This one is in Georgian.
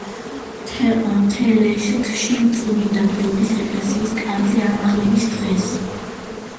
თელეთში, წმინდა გიორგის ეკლესიის კარზე ამაღლების დღეს.